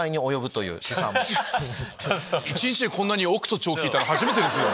一日でこんなに億と兆を聞いたの初めてです。